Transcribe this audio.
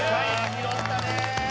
拾ったね。